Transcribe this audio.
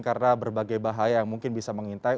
karena berbagai bahaya yang mungkin bisa mengintai